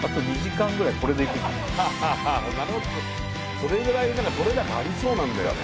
それくらい撮れ高ありそうなんだよね。